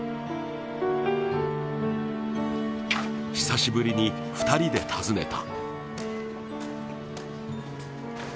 久しぶりに２人で訪ねた。